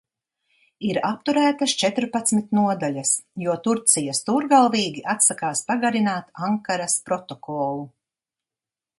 Ir apturētas četrpadsmit nodaļas, jo Turcija stūrgalvīgi atsakās pagarināt Ankaras protokolu.